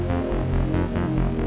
kalau bapak nggak pergi nggak ada